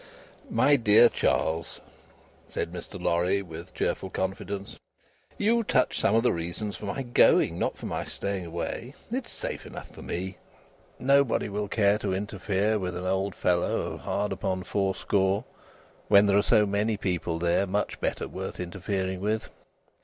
"My dear Charles," said Mr. Lorry, with cheerful confidence, "you touch some of the reasons for my going: not for my staying away. It is safe enough for me; nobody will care to interfere with an old fellow of hard upon fourscore when there are so many people there much better worth interfering with.